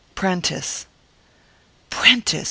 Prentice." "Prentice!"